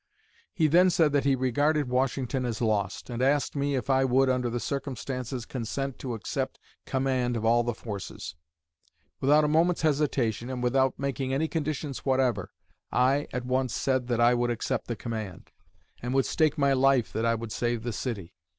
He then said that he regarded Washington as lost, and asked me if I would, under the circumstances, consent to accept command of all the forces. Without a moment's hesitation, and without making any conditions whatever, I at once said that I would accept the command, and would stake my life that I would save the city.